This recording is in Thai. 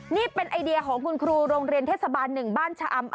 นี่เป็นไอเดียของคุณครูโรงเรียนเทศบาล๑บ้านชะอำ